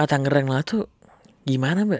ah tangerang lo tuh gimana mbak